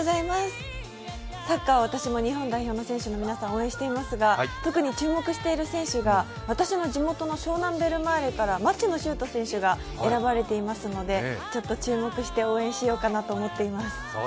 サッカー、私も日本代表の選手の皆さん、応援していますが特に注目している選手が私の地元の湘南ベルマーレの町野修斗選手が選ばれていますので、注目して応援しようかなと思っています。